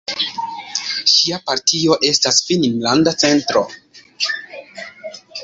Ŝia partio estas Finnlanda Centro.